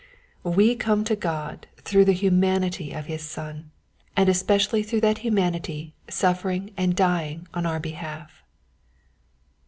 We come to God through the humanity of his Son, and especially through that humanity suffering and dying on our behalf.